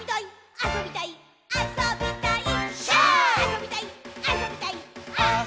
あそびたいっ！！」